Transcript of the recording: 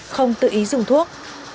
không tự ý dùng thuốc